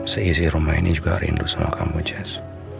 siisi rumah ini juga rindu sama kamu jess